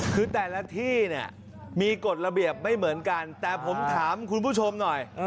คือแต่ละที่เนี่ยมีกฎระเบียบไม่เหมือนกันแต่ผมถามคุณผู้ชมหน่อย